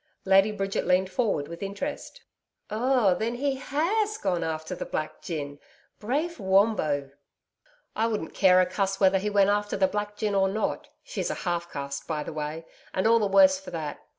Lady Bridget leaned forward with interest. 'Oh! Then he HAS gone after the black gin. Brave Wombo!' 'I wouldn't care a cuss whether he went after the black gin or not; she's a half caste, by the way, and all the worse for that.